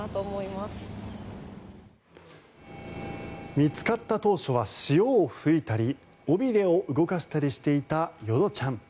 見つかった当初は潮を噴いたり尾びれを動かしたりしていた淀ちゃん。